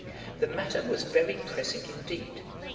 The matter was very pressing indeed.